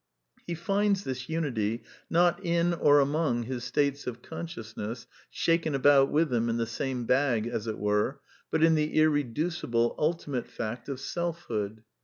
He finds this unity, not in or among his states of consciousness, shaken about with them in the same bag, as it were, but in the irreducible, ultimate fact of selfhood.